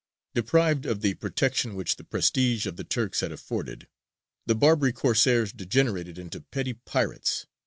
Deprived of the protection which the prestige of the Turks had afforded, the Barbary Corsairs degenerated into petty pirates.